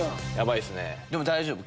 でも大丈夫。